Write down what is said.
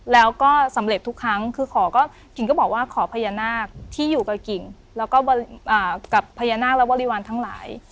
แล้วก็สำเร็จทุกครั้งคือขอก็กิ่งก็บอกว่าขอพญานาคที่อยู่กับกิ่งแล้วก็กับพญานาคและบริวารทั้งหลาย